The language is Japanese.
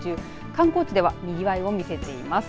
観光地ではにぎわいを見せています。